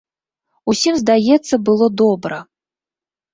Усім, здаецца, было добра.